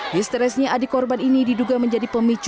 histerisnya adik korban ini diduga menjadi pemicu